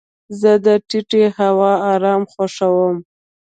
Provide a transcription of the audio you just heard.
زه د ټیټې هوا ارام خوښوم.